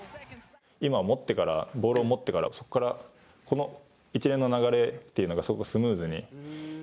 今は持ってからボールを持ってからそこからこの一連の流れっていうのがすごくスムーズに。